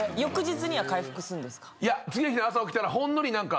次の日朝起きたらほんのり何か。